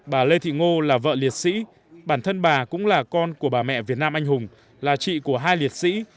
bà lê thị ngô là vợ liệt sĩ bản thân bà cũng là con của bà mẹ việt nam anh hùng là chị của hai liệt sĩ